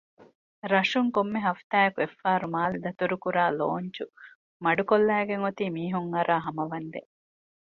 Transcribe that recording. ރަށުން ކޮންމެ ހަފްތާއަކު އެއްފަހަރު މާލެ ދަތުރު ކުރާ ލޯންޗު މަޑުކޮށްލައިގެންއޮތީ މީހުންއަރާ ހަމަވަންދެން